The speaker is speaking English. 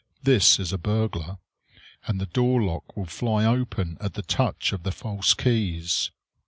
This is a burglar; and the door lock will fly open at the touch of the false keys.